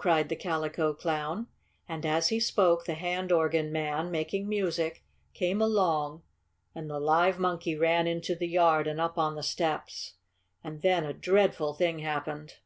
cried the Calico Clown, and, as he spoke, the hand organ man, making music, came along, and the live monkey ran into the yard and up on the steps. And then a dreadful thing happened!